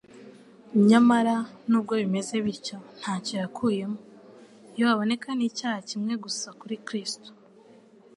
Nyamara, nubwo bimeze bityo, ntacyo yakuyemo. Iyo haboneka n'icyaha kimwe gusa kuri Kristo,